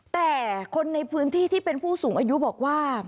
แต่คนในพื้นที่ที่เป็นผู้สูงอายุบอกว่า